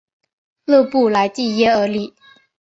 勒布莱蒂耶尔里。